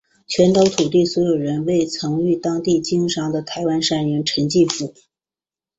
全岛土地所有人为曾于当地经商的台湾商人陈进福。